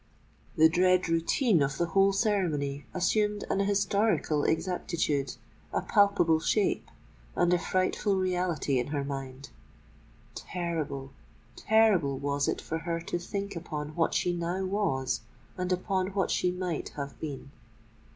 The dread routine of the whole ceremony assumed an historical exactitude, a palpable shape, and a frightful reality in her mind. Terrible—terrible was it for her to think upon what she now was, and upon what she might have been.